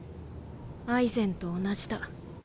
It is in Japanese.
アイゼンと同じだ。